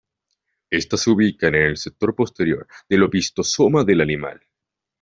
Estas se ubican en el sector posterior del opistosoma del animal.